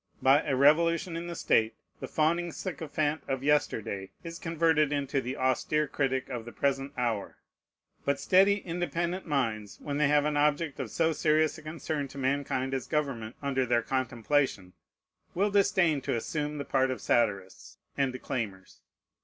By a revolution in the state, the fawning sycophant of yesterday is converted into the austere critic of the present hour. But steady, independent minds, when they have an object of so serious a concern to mankind as government under their contemplation, will disdain to assume the part of satirists and declaimers.